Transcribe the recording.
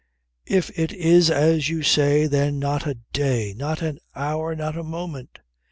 If it is as you say then not a day, not an hour, not a moment."